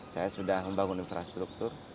saya sudah membangun infrastruktur